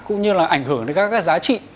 cũng như là ảnh hưởng đến các giá trị